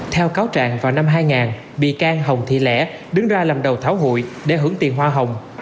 theo cáo trạng vào năm hai nghìn bị can hồng thị lẽ đứng ra làm đầu tháo hụi để hưởng tiền hoa hồng